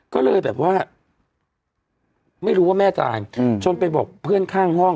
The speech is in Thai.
ก็เลยแบบว่าไม่รู้ว่าแม่ตายจนไปบอกเพื่อนข้างห้อง